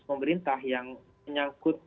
pemerintah yang menyangkut